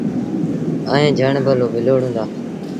ائيٚݩ جھڻ با ولوڙون دآ۔